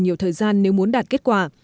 nhiều thời gian nếu muốn đạt kết quả